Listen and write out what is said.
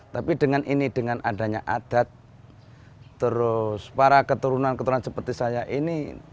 tapi dengan ini dengan adanya adat terus para keturunan keturunan seperti saya ini